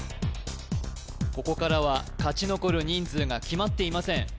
ここからは勝ち残る人数が決まっていません